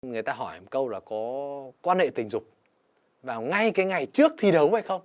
người ta hỏi một câu là có quan hệ tình dục vào ngay cái ngày trước thi đấu hay không